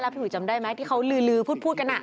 แล้วพี่หนูจำได้ไหมที่เขาลือพูดกันน่ะ